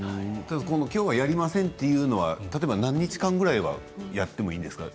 きょうはやりませんというのは何日ぐらいはやっていいんですか。